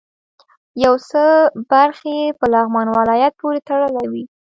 یو څه برخې یې په لغمان ولایت پورې تړلې وې.